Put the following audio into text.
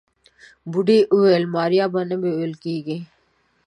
بوډۍ وويل ماريا به نه بيول کيږي.